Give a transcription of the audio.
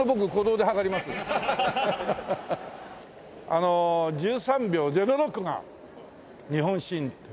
あの１３秒０６が日本新という事で。